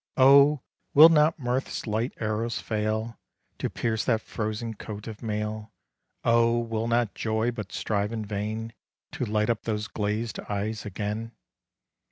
Oh! will not Mirth's light arrows fail To pierce that frozen coat of mail? Oh! will not joy but strive in vain To light up those glazed eyes again?